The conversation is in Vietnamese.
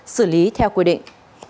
xử lý theo quy định